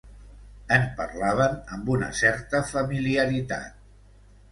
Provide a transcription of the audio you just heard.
En parlaven amb una certa familiaritat.